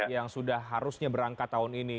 yang sudah harusnya berangkat tahun ini